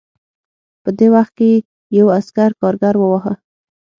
په دې وخت کې یو عسکر کارګر وواهه